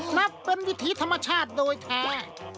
นับเป็นวิถีธรรมชาติโดยแท้